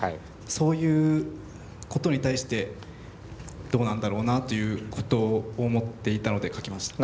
そういうことに対してどうなんだろうなということを思っていたので書きました。